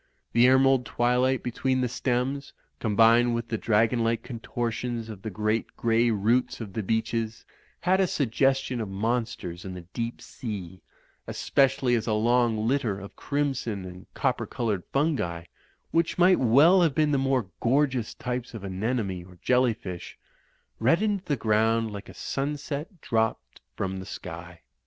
The emerald twilight between the stems, combined with the dragon like contortions of the great grey roots of the beeches, had a suggestion of monsters and the deep sea ; especially as a long litter of crimson and copper coloured fungi, which might well have been the more gorgeous types of anemone* or jelly fish, reddened the ground like a sunset dropped from the sky.